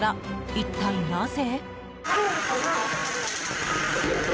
一体、なぜ？